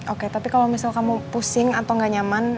oke tapi kalo misal kamu pusing atau gak nyaman